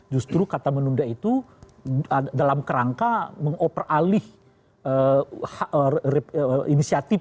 justru kata menunda itu dalam kerangka mengoperalih inisiatif